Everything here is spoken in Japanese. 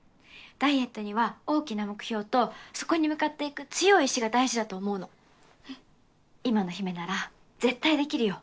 ダイエットには大きな目標とそこに向かっていく強い意志が大事だと思うの今の陽芽なら絶対できるよ